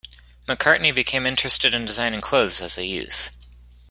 McCartney became interested in designing clothes as a youth.